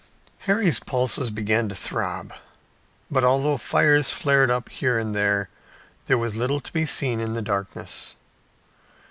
Harry's pulses began to throb. But, although fires flared up here and there, little was to be seen in the darkness.